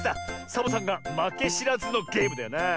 サボさんがまけしらずのゲームだよなあ。